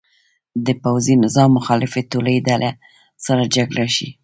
د پوځي نظام مخالفې ټولې ډلې سره جرګه شي.